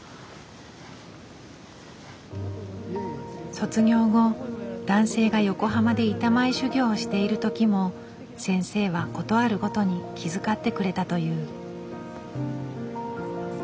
卒業後男性が横浜で板前修業をしている時も先生はことあるごとに気遣ってくれたという。